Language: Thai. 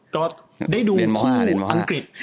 ก็ได้ดูของอังกฤษ